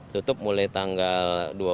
tutup mulai tanggal